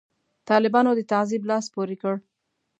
طالبانو د تعذیب لاس پورې کړ.